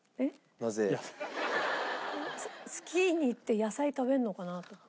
スキーに行って野菜食べるのかなと思って。